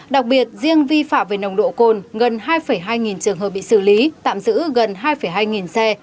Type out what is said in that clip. đặc biệt riêng vi phạm về nồng độ cồn gần hai hai trường hợp bị xử lý tạm giữ gần hai hai nghìn xe